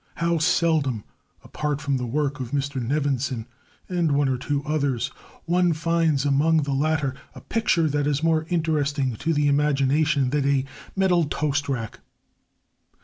How seldom, apart from the work of Mr Nevinson and one or two others, one finds among the latter a picture that is more interesting to the imagination than a metal toast rack!